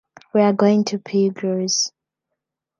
We’re going to Puiggròs.